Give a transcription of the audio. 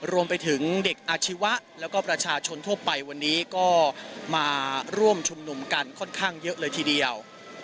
รวมไปถึงเด็กอาชีวะแล้วก็ประชาชนทั่วไปวันนี้ก็มาร่วมชุมนุมกันค่อนข้างเยอะเลยทีเดียว